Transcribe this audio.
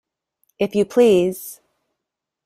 If you please.